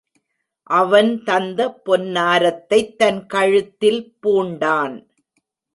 அவன் தந்த பொன்னாரத்தைத் தன் கழுத்தில் பூண்டான்.